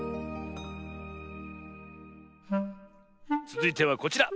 つづいてはこちら。